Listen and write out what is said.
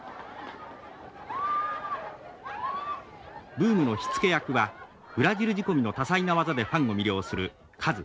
ブームの火付け役はブラジル仕込みの多彩な技でファンを魅了するカズ。